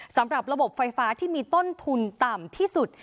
สำหรับระบบไฟฟ้าที่มีต้นทุนต่ำที่สุด